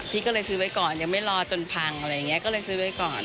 พี่ก็เลยซื้อไว้ก่อนยังไม่รอจนพังอะไรอย่างนี้ก็เลยซื้อไว้ก่อน